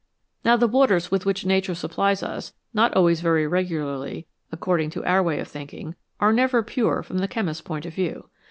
Now the waters with which Nature supplies us, not always very regularly, according to our way of thinking, are never pure from the chemist's point of view.